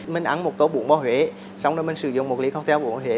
mình ăn một tô bún bò huế xong rồi mình sử dụng một ly cocktail bún bò huế